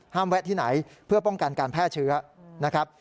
แวะที่ไหนเพื่อป้องกันการแพร่เชื้อนะครับ